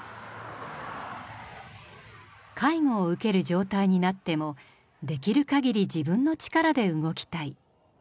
介護を受ける状態になってもできる限り自分の力で動きたい。